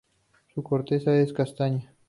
Su corteza es castaña.